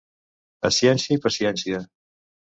A ciència i paciència.